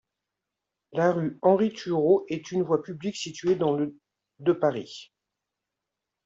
La rue Henri-Turot est une voie publique située dans le de Paris.